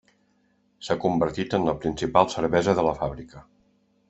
S'ha convertit en la principal cervesa de la fàbrica.